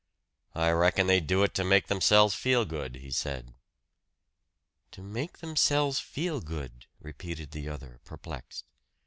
"I reckon they do it to make themselves feel good," he said. "To make themselves feel good," repeated the other perplexed.